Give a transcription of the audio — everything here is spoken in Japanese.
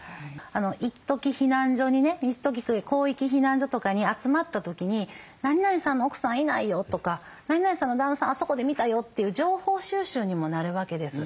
一時避難所にね広域避難所とかに集まった時に「なになにさんの奥さんいないよ」とか「なになにさんの旦那さんあそこで見たよ」っていう情報収集にもなるわけです。